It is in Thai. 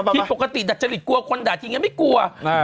ดูปกติดาชฤษกลัวคนด่าเชียงยังไม่กลัว